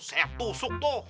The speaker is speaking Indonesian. saya tusuk tuh